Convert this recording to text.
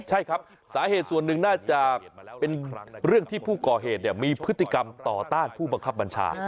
ใช่ครับสาเหตุส่วนหนึ่งน่าจะเป็นเรื่องที่ผู้ก่อเหตุมีพฤติกรรมต่อต้านผู้บังคับบัญชา